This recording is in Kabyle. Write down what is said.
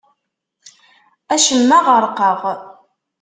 Acemma ɣerqeɣ.